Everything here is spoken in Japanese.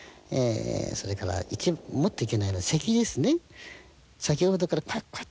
それからもっといけないのはせきですね。